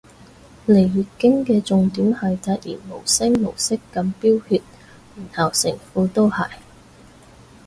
嚟月經嘅重點係突然無聲無息噉飆血然後成褲都係